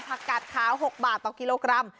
กัดขาว๖บาทต่อกิโลกรัม